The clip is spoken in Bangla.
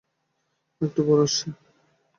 একটু পর আসছি।